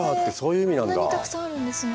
そんなにたくさんあるんですね。